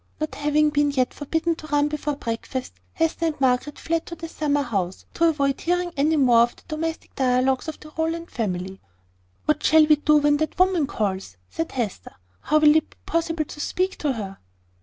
Not having been yet forbidden to run before breakfast, Hester and Margaret fled to the summer house, to avoid hearing any more of the domestic dialogues of the Rowland family. "What shall we do when that woman calls?" said Hester. "How will it be possible to speak to her?"